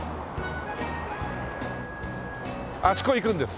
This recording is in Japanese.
あそこ行くんです。